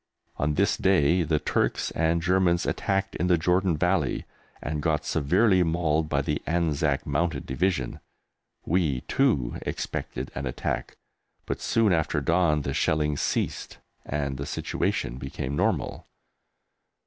On this day the Turks and Germans attacked in the Jordan Valley and got severely mauled by the Anzac Mounted Division. We, too, expected an attack, but soon after dawn the shelling ceased and the situation became normal.